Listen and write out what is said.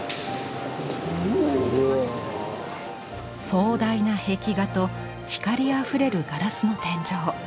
壮大な壁画と光あふれるガラスの天井。